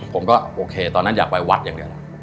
ผมก็โอเคตอนนั้นอยากไปวัดอย่างเดียว